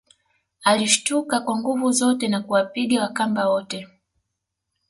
Alishtuka kwa nguvu zote na kuwapiga Wakamba wote